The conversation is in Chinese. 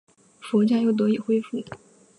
佛教又得以恢复。